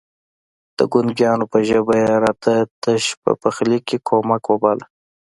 د ګونګيانو په ژبه يې راتګ تش په پخلي کې کمک وباله.